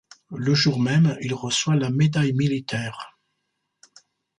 Le jour même, il reçoit la Médaille militaire.